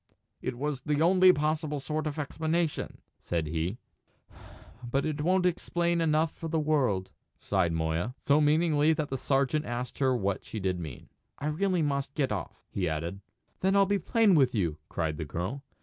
"It was the only possible sort of explanation," said he. "But it won't explain enough for the world," sighed Moya, so meaningly that the sergeant asked her what she did mean. "I must really get off," he added. "Then I'll be plain with you," cried the girl.